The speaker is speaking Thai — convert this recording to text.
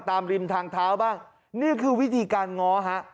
ริมทางเท้าบ้างนี่คือวิธีการง้อฮะ